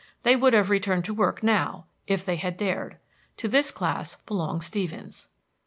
They would have returned to work now if they had dared. To this class belonged Stevens.